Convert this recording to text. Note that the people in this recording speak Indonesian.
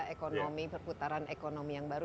ekonomi perputaran ekonomi yang baru